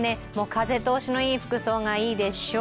風通しのいい服装がいいでしょう。